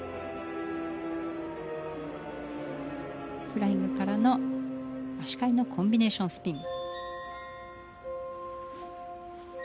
フライングからの足換えのコンビネーションスピン。